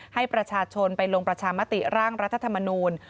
ให้ประชาชนไปลงประชามติร่างรัฐธรรมนูล